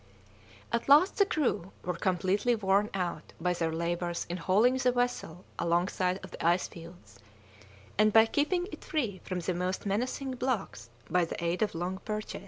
At last the crew were completely worn out by their labours in hauling the vessel alongside of the ice fields and by keeping it free from the most menacing blocks by the aid of long perches.